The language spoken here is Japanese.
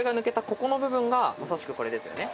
ここの部分がまさしくこれですよね。